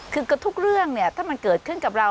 คือก็ทุกเรื่องถ้ามันเกิดขึ้นกับเรา